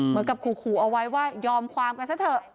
เหมือนกับขู่เอาไว้ว่ายอมความกันซะเถอะ